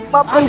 pak aku ingin